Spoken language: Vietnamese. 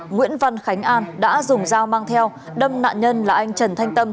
nguyễn văn khánh an đã dùng dao mang theo đâm nạn nhân là anh trần thanh tâm